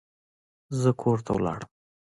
زه کور ته لاړم.